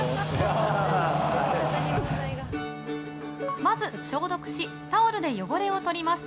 まず消毒しタオルで汚れを取ります。